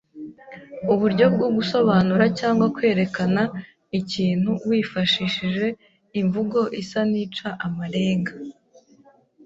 uburyo bwo gusobanura cyangwa kwerekana ikintu wifashishije imvugo isa n’ica amarenga